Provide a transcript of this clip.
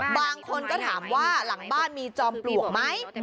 บางคนก็ถามว่าหลังบ้านมีจอมปลวกไหม